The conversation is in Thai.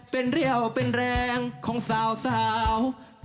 เป็นเรี่ยวเป็นแรงของสาว